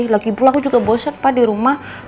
lagipul aku juga bosan pak di rumah